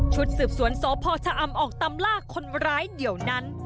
สืบสวนสพชะอำออกตามล่าคนร้ายเดี๋ยวนั้น